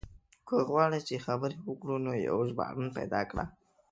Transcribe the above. که غواړې چې خبرې وکړو نو يو ژباړن پيدا کړه.